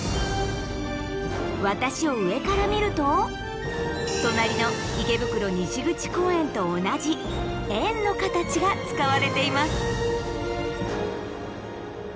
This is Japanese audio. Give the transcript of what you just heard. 私を上から見ると隣の池袋西口公園と同じ円の形が使われています。